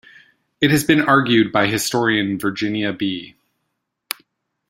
It has been argued by historian Virginia B.